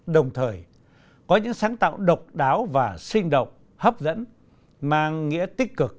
đồng thời có những sáng tạo độc đáo và sinh động hấp dẫn mang nghĩa tích cực